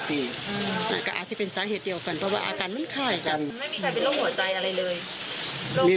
ในความทรงเผยรพ์เกิดจากไม่มีใครเป็นโรคหัวใจอะไรเลย